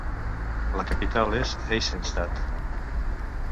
La capital és Eisenstadt.